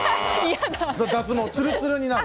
ツルツルになる。